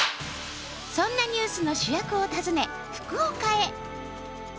そんなニュースの主役を訪ね、福岡へ。